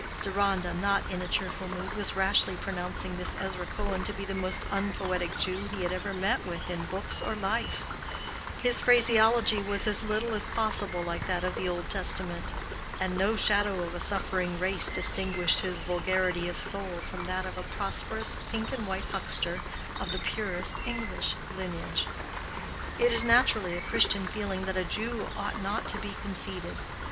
Deronda, not in a cheerful mood, was rashly pronouncing this Ezra Cohen to be the most unpoetic Jew he had ever met with in books or life: his phraseology was as little as possible like that of the Old Testament: and no shadow of a suffering race distinguished his vulgarity of soul from that of a prosperous, pink and white huckster of the purest English lineage. It is naturally a Christian feeling that a Jew ought not to be conceited.